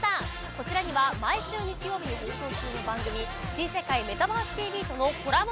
こちらには毎週日曜日に放送中の番組「新世界メタバースＴＶ！！」とのコラボ